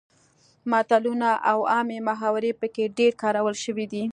متلونه او عامې محاورې پکې ډیر کارول شوي دي